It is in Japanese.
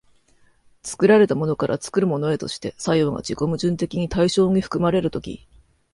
作られたものから作るものへとして作用が自己矛盾的に対象に含まれる時、